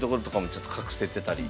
ちょっと隠せてたり。